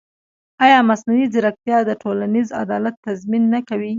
ایا مصنوعي ځیرکتیا د ټولنیز عدالت تضمین نه کوي؟